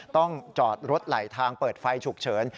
ต้องจอดรถไหลทางเปิดไฟฉุกเฉิน